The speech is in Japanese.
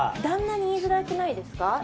旦那に言いづらくないですか？